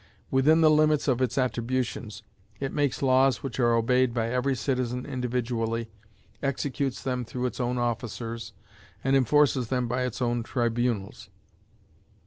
Within the limits of its attributions, it makes laws which are obeyed by every citizen individually, executes them through its own officers, and enforces them by its own tribunals.